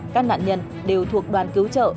các nạn nhân đều thuộc đoàn cứu trợ